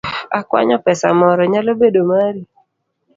Akwanyo pesa moro , nyalo bedo mari?